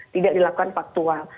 tidak dilakukan faktual